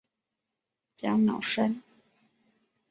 加瑙山。